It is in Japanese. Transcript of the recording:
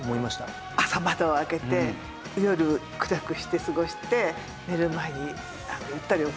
朝窓を開けて夜暗くして過ごして寝る前にゆったりお風呂に入って。